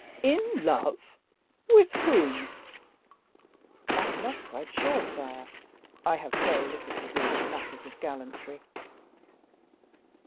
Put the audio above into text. "In love! with whom?" "I am not quite sure, sire; I have very little to do with matters of gallantry."